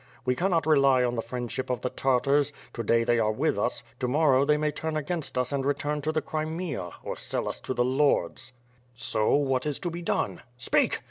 ... We cannot rely on the friendship of the Tartars; to day they are with us; to morrow they may turn against us and return to the Crimea, or sell us to the lords. "So what is to be done? Speak!